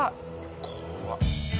怖っ。